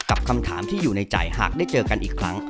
คำถามที่อยู่ในใจหากได้เจอกันอีกครั้ง